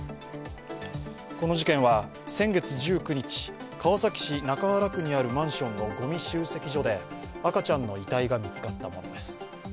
この事件は先月１９日、川崎市中原区にあるマンションのごみ集積所で赤ちゃんの遺体が見つかったものです。